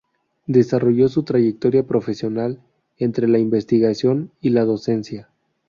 Desarrolló su trayectoria profesional entre la investigación y la docencia.